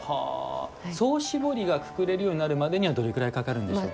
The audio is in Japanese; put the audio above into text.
総絞りがくくれるようになるまでにはどれくらいかかるんでしょう？